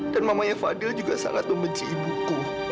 dan mamanya fadil juga sangat membenci ibuku